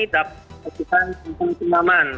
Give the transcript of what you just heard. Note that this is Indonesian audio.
dapat disaksikan dengan pengaman